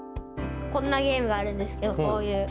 こんなゲームがあるんですけど、こういう。